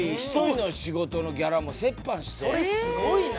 それすごいな！